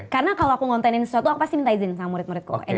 karena kalo aku nge contentin sesuatu pasti minta izin sama murid muridku